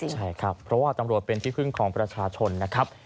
ใช่ครับเพราะว่าตำรวจเป็นที่พึ่งของประชาชนนะครับ